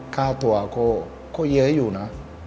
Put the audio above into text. ค่าตัวก็เยอะอยู่นะ